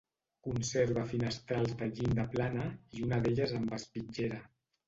Conserva finestrals de llinda plana i una d'elles amb espitllera.